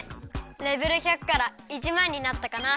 レベル１００から１まんになったかな。